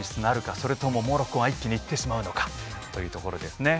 それともモロッコが一気にいってしまうのかというところですね。